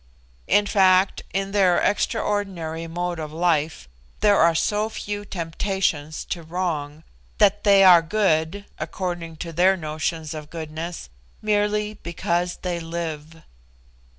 In fact, in their extraordinary mode of life. There are so few temptations to wrong, that they are good (according to their notions of goodness) merely because they live.